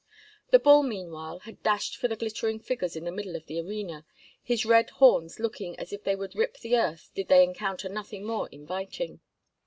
The bull, meanwhile, had dashed for the glittering figures in the middle of the arena, his red horns looking as if they would rip the earth did they encounter nothing more inviting.